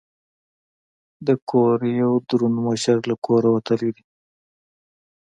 د کور یو دروند مشر له کوره وتلی دی.